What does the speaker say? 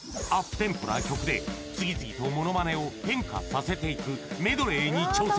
テンポな曲で次々とモノマネを変化させていくメドレーに挑戦